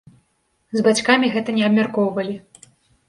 З бацькамі гэта не абмяркоўвалі.